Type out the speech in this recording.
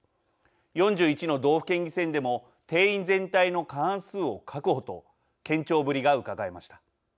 ４１の道府県議選でも定員全体の過半数を確保と堅調ぶりがうかがえました。